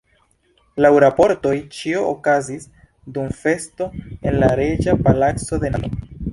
Laŭ raportoj, ĉio okazis dum festo en la reĝa palaco de Nepalo.